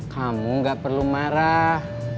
kamu gak perlu marah